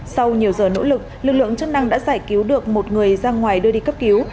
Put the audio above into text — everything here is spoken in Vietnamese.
sau nhiều giờ nỗ lực lực lượng chức năng đã giải cứu được một người ra ngoài đưa đi cấp cứu